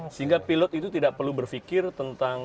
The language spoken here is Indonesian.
sehingga pilot itu tidak perlu berpikir tentang